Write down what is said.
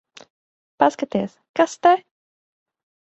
Paskaties, kas te...